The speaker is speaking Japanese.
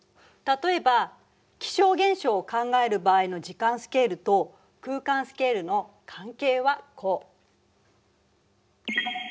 例えば気象現象を考える場合の時間スケールと空間スケールの関係はこう。